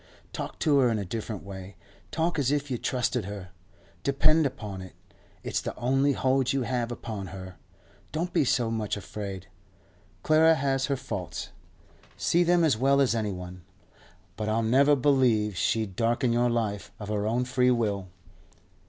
Talk to her in a different way; talk as if you trusted her. Depend upon it, it's the only hold you have upon her. Don't be so much afraid. Clara has her faults—I see them as well as any one—but I'll never believe she'd darken your life of her own free will.